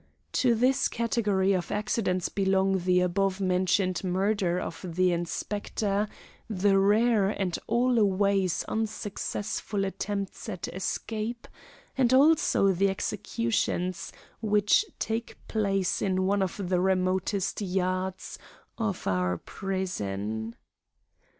To this category of accidents belong the above mentioned murder of the Inspector, the rare and always unsuccessful attempts at escape, and also the executions, which take place in one of the remotest yards of our prison.